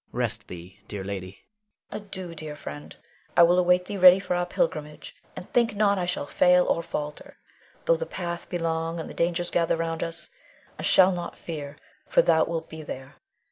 Rest thee, dear lady. Leonore. Adieu, dear friend. I will await thee ready for our pilgrimage, and think not I shall fail or falter, though the path be long, and dangers gather round us. I shall not fear, for thou wilt be there.